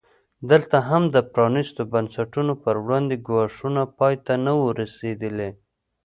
دلته هم د پرانیستو بنسټونو پر وړاندې ګواښونه پای ته نه وو رسېدلي.